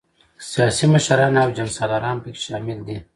سیاسي مشران او جنګ سالاران پکې شامل دي.